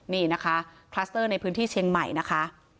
นี่นะคะคลัสเตอร์ในพื้นที่เชียงใหม่นะคะ